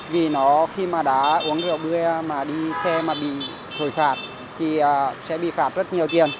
vì nó khi mà đã uống rượu bia mà đi xe mà bị thổi phạt thì sẽ bị phạt rất nhiều tiền